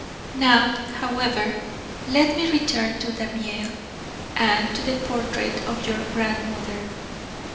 Now, however, let me return to Daumier and to the portrait of your grandmother.